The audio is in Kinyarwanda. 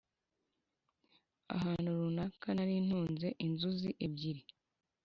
ahantu runaka nari ntunze, inzuzi ebyiri